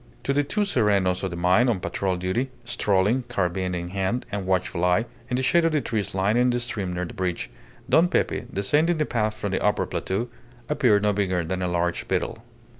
To the two serenos of the mine on patrol duty, strolling, carbine in hand, and watchful eyes, in the shade of the trees lining the stream near the bridge, Don Pepe, descending the path from the upper plateau, appeared no bigger than a large beetle.